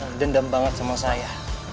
yang mendem banget sama saya